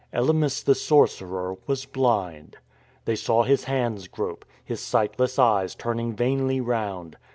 Elymas, the sorcerer, was blind. They saw his hands grope, his sightless eyes turning vainly round.